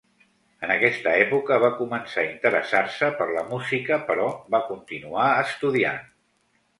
En aquesta època va començar a interessar-se per la música però va continuar estudiant.